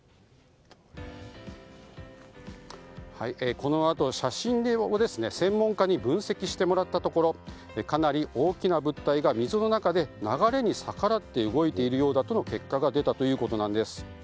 このあと、写真を専門家に分析してもらったところかなり大きな物体が水の中で流れに逆らって動いているようだとの結果が出たということなんです。